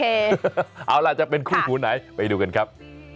เอาล่ะจะเป็นคู่หูไหนไปดูกันครับ